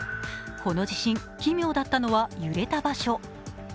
この地震、奇妙だったのは揺れた場所。